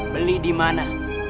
beli di mana